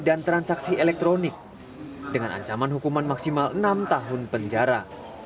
transaksi elektronik dengan ancaman hukuman maksimal enam tahun penjara